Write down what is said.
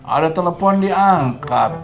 ada telepon diangkat